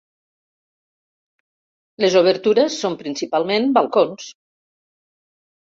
Les obertures són principalment balcons.